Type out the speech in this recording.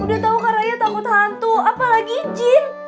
udah tau karaya takut hantu apalagi jin